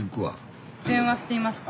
電話してみますか。